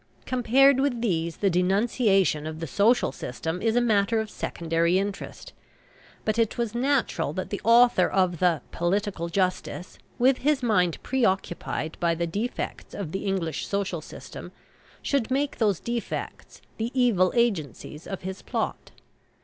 Compared with these the denunciation of the social system is a matter of secondary interest; but it was natural that the author of the "Political Justice," with his mind preoccupied by the defects of the English social system, should make those defects the, evil agencies of his plot.